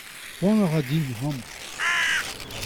Poan a ra din amañ.